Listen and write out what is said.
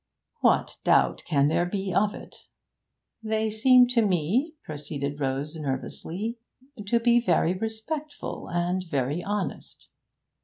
'What doubt can there be of it?' 'They seem to me,' proceeded Rose nervously, 'to be very respectful and very honest.'